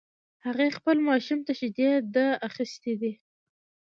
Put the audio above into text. هغې خپل ماشوم ته شیدي ده اخیستی ده